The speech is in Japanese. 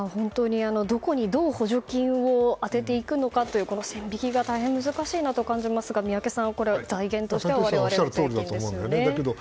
どこにどう補助金を充てていくのかという線引きが大変難しいなと感じますが宮家さんとしてはどう思われますか。